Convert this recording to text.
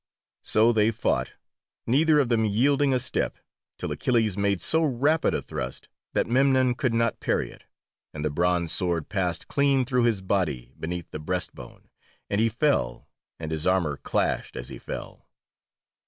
So they fought, neither of them yielding a step, till Achilles made so rapid a thrust that Memnon could not parry it, and the bronze sword passed clean through his body beneath the breast bone, and he fell, and his armour clashed as he fell.